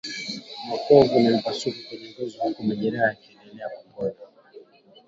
Makovu na mipasuko kwenye ngozi huku majeraha yakiendelea kupona